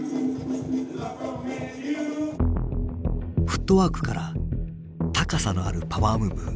フットワークから高さのあるパワームーブ。